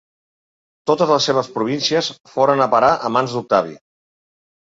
Totes les seves províncies foren a parar a mans d'Octavi.